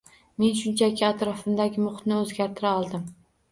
Men shunchaki atrofimdagi muhitni o’zgartira oldim